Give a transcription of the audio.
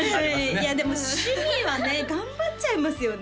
いやでも趣味はね頑張っちゃいますよね